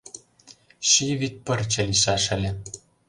Ший вӱд пырче лийшаш ыле.